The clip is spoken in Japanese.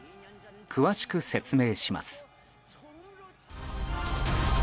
詳しく説明します。